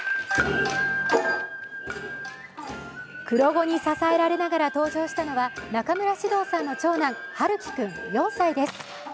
黒衣に支えられながら登場したのは、中村獅童さんの長男、陽喜君４歳です。